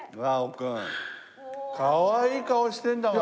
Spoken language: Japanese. かわいい顔してるんだから。